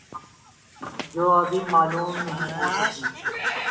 جہ ابھی معلوم نہیں ہو سکی